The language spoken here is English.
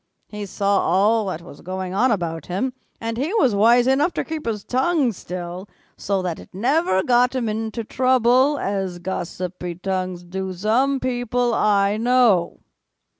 He saw all that was going on about him, and he was wise enough to keep his tongue still, so that it never got him into trouble as gossipy tongues do some people I know."